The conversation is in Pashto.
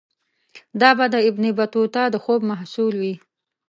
دا به د ابن بطوطه د خوب محصول وي.